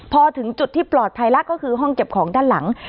พอถึงจุดที่ปลอดภัยแล้วก็คือห้องเก็บของด้านหลัง